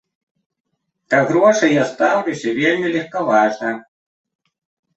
Да грошай я стаўлюся вельмі легкаважна.